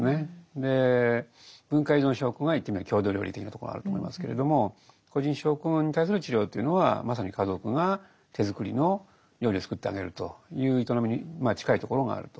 で文化依存症候群が言ってみれば郷土料理的なところがあると思いますけれども個人症候群に対する治療というのはまさに家族が手作りの料理を作ってあげるという営みに近いところがあると。